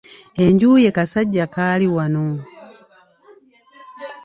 Enju ye Kasajjakaaliwano.